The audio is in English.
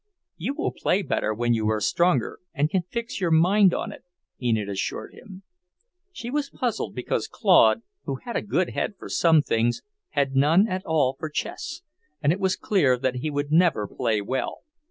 "You will play better when you are stronger and can fix your mind on it," Enid assured him. She was puzzled because Claude, who had a good head for some things, had none at all for chess, and it was clear that he would never play well.